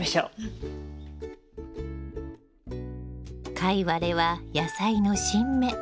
カイワレは野菜の新芽。